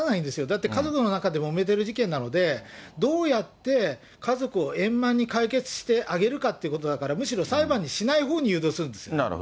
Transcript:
だって、家族の中でもめている事件なので、どうやって家族を円満に解決してあげるかってことだから、むしろ、裁判にしないほうに誘導するんです。